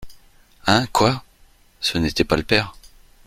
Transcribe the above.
Hein ! quoi !… ce n’était pas le père !